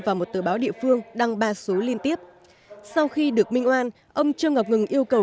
và một tờ báo địa phương đăng ba số liên tiếp sau khi được minh oan ông trương ngọc hưng yêu cầu